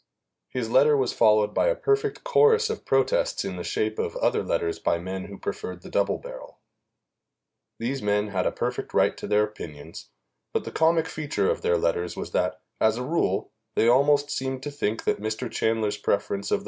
His letter was followed by a perfect chorus of protests in the shape of other letters by men who preferred the double barrel. These men had a perfect right to their opinions, but the comic feature of their letters was that, as a rule, they almost seemed to think that Mr. Chanler's preference of the